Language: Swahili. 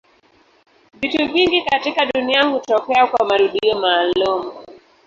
Vitu vingi katika dunia hutokea kwa marudio maalumu.